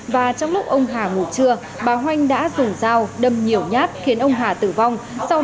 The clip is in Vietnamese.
và trong lúc ông hà ngủ trưa bà hoanh đã dùng dao đâm nhiều nhát khiến ông hà tử vong